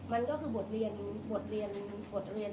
มันก็คือบทเรียนที่ดี